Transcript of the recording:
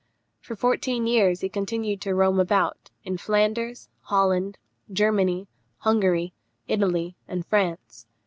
For fourteen years he continued to roam about, in Flanders, Holland, Germany, Hungary, Italy, and France.